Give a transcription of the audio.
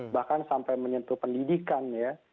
bahkan sampai menyentuh pendidikan ya